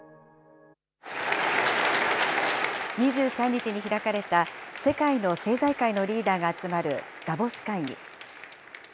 ２３日に開かれた、世界の政財界のリーダーが集まるダボス会議。